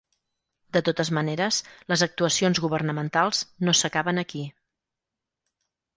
De totes maneres, les actuacions governamentals no s’acaben aquí.